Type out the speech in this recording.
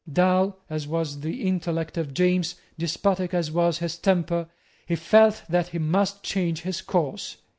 Dull as was the intellect of James, despotic as was his temper, he felt that he must change his course.